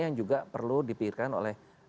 yang juga perlu dipikirkan oleh